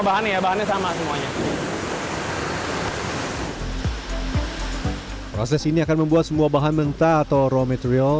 bahannya bahannya sama semuanya proses ini akan membuat semua bahan mentah atau raw material